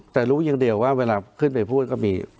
แต่รู้อย่างเดียวว่าเวลาขึ้นไปพูดก็มี